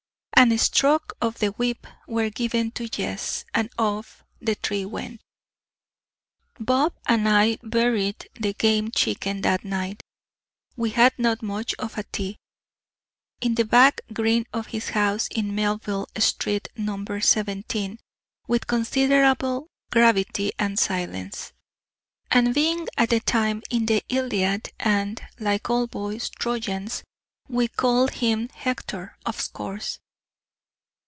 and a stroke of the whip were given to Jess; and off went the three. Bob and I buried the Game Chicken that night (we had not much of a tea) in the back green of his house in Melville street, No. 17, with considerable gravity and silence; and being at the time in the Iliad, and, like all boys, Trojans, we called him Hector of course.